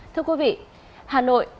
thưa quý vị hà nội